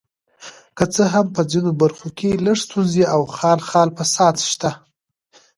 که څه هم په ځینو برخو کې لږې ستونزې او خال خال فساد شته.